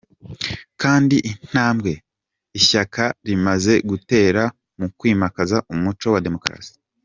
kandi intambwe Ishyaka rimaze gutera mu kwimakaza umuco wa demokarasi.